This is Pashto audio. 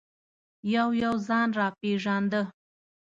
یو یو ځان را پېژانده.